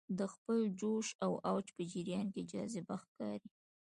د خپل جوش او اوج په جریان کې جذابه ښکاري.